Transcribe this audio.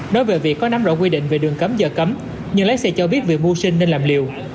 nói về việc có nắm rõ quy định về đường cấm giờ cấm nhưng lái xe cho biết việc mua sinh nên làm liều